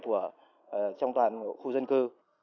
trong toàn khu dân cư